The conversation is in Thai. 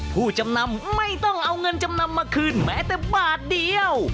ผู้จำนำไม่ต้องเอาเงินจำนำมาคืนแม้แต่บาทเดียว